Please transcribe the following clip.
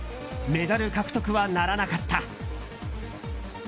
メダル獲得はならなかった。